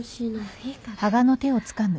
いいから。